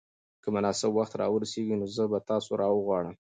که مناسب وخت را ورسېږي نو زه به تاسو راوغواړم.